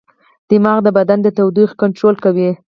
دماغ د بدن د تودوخې کنټرول کوي.